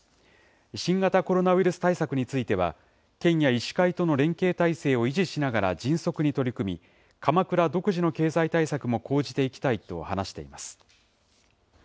新型コロナウイルス対策については、県や医師会との連携体制を維持しながら迅速に取り組み、鎌倉独自の経済対策も講じていきたいと話しています。